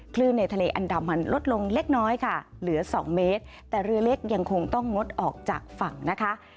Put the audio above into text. ในทะเลอันดามันลดลงเล็กน้อยค่ะเหลือสองเมตรแต่เรือเล็กยังคงต้องงดออกจากฝั่งนะคะ